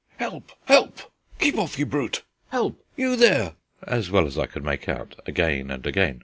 "Help! help! Keep off, you brute! Help, you there!" as well as I could make out, again and again.